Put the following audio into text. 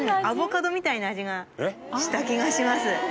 アボカドみたいな味がした気がします。